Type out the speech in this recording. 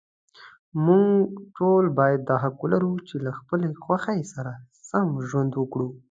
موږ ټول باید دا حق ولرو، چې له خپلې خوښې سره سم ژوند وکړو.